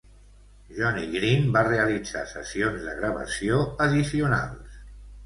Johnny Green va realitzar sessions de gravació addicionals.